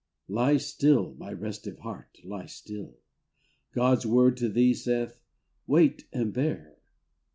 IE still, my restive heart, lie still; God's Word to thee saith, " Wait and bear."